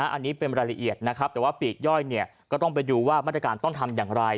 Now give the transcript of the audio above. อันนี้เป็นรายละเอียดนะครับแต่ว่าปีกย่อยก็ต้องไปดูว่ามาตรการต้องทำอย่างไร